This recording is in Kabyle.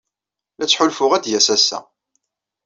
La ttḥulfuɣ ad d-yas ass-a.